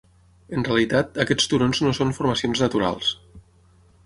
En realitat, aquests turons no són formacions naturals.